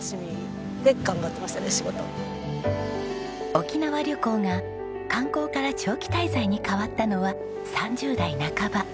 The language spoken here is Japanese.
沖縄旅行が観光から長期滞在に変わったのは３０代半ば。